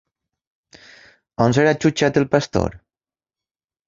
On serà jutjat el pastor?